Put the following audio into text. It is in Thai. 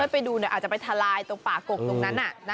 เพื่อไปดูเนี่ยอาจจะไปทะลายตรงป่าโกกตรงนั้นน่ะ